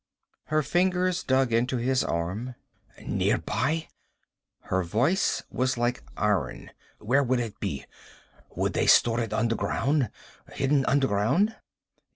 Her fingers dug into his arm. "Nearby?" Her voice was like iron. "Where would it be? Would they store it underground? Hidden underground?"